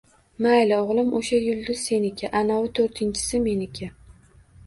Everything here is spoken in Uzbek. Mayli, o'g'lim. O'sha yulduz seniki. Anovi to'rtinchisi — meniki.